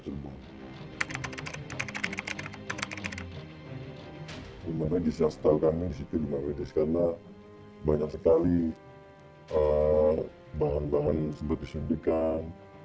pembuangan limbah limbah medis saya tahu kami disitu limbah medis karena banyak sekali bahan bahan seperti suntikan